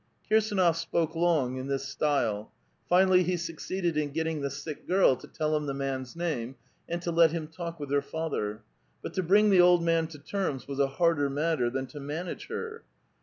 Kirsdnof spoke long in this style. Finally he succeeded in getting the sick girl to tell him the man's name, and to let him talk with her father. But to bring the old man to terms was a harder matter than to manage her.